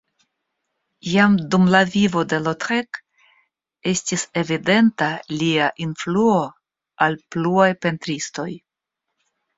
Jam dum la vivo de Lautrec estis evidenta lia influo al pluaj pentristoj.